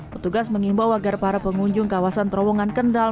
petugas mengimbau agar para pengunjung kawasan terowongan kendal